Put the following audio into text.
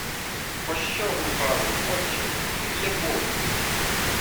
— Пощо глупавий, отче! Він є бог.